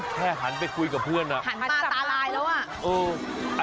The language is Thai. หันไปคุยกับเพื่อนอ่ะหันมาตาลายแล้วอ่ะ